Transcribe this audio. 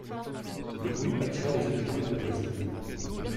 Le bruit attira les habitants des rues voisines.